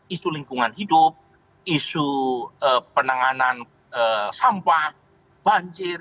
isu lingkungan hidup isu penanganan sampah banjir